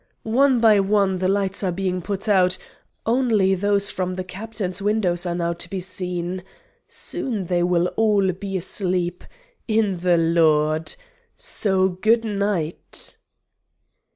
... One by one the lights are being put out; only those from the captain's windows are now to be seen. ... Soon they will all be asleep in the Lord! So good night!"